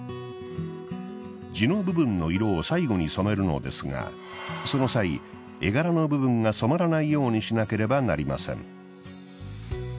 地の部分の色を最後に染めるのですがその際絵柄の部分が染まらないようにしなければなりません。